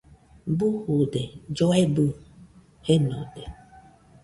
Bujude, lloebɨ jenode